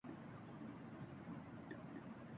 کیا تم نے وہ رپورٹ مکمل کر لی؟